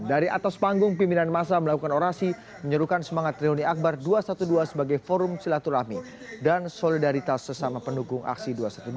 dari atas panggung pimpinan masa melakukan orasi menyerukan semangat reuni akbar dua ratus dua belas sebagai forum silaturahmi dan solidaritas sesama pendukung aksi dua ratus dua belas